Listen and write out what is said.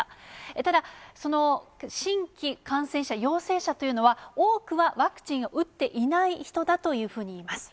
ただ、その新規感染者、陽性者というのは、多くはワクチンを打っていない人だというふうにいいます。